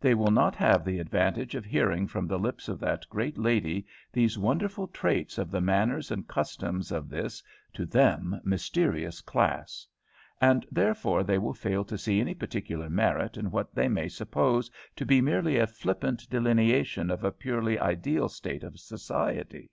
They will not have the advantage of hearing from the lips of that good lady these wonderful traits of the manners and customs of this, to them, mysterious class. And therefore they will fail to see any particular merit in what they may suppose to be merely a flippant delineation of a purely ideal state of society.